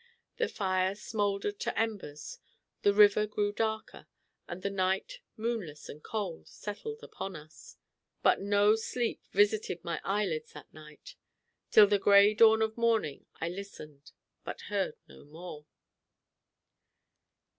The fire smoldered to embers, the river grew darker, and the night, moonless and cold, settled upon us. But no sleep visited my eyelids that night. Till the gray dawn of morning I listened, but heard no more.